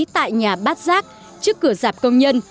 tại nhà bát giác trước cửa giạc công nhân